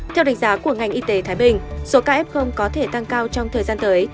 theo đánh giá của ngành y tế thái bình số ca f có thể tăng cao trong thời gian tới